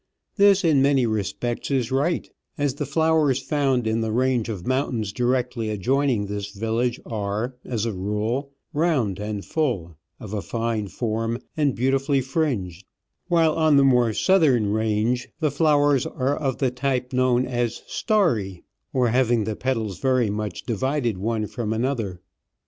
This in many respects is right, as the flowers found in the range of mountains directly adjoining this village are, as a rule, round and full, of a fine form, and beautifully fringed, while on the more southern range the flowers are of the type known as starry,*' or having the petals very much divided one from another.